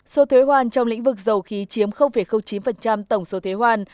số thuế hoàn trong lĩnh vực dầu khí chiếm chín tổng số thuế hoàn